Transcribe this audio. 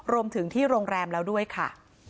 รวมถึงที่โรงแรมแล้วด้วยค่ะ